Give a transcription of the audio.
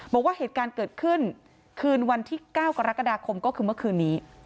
บอกว่าเหตุการณ์เกิดขึ้นคืนวันที่๙กรกฎาคมก็คือเมื่อคืนนี้